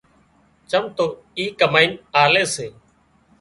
چم تواِي ڪمائينَ آلي سي